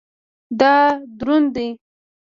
دا دروند دی